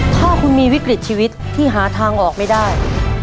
ถ้าคุณมีวิกฤตชีวิตที่หาทางออกไม่ได้